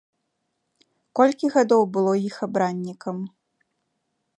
Колькі гадоў было іх абраннікам?